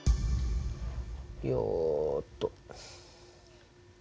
よっと。